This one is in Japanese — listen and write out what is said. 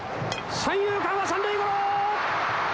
三遊間は三塁ゴロ！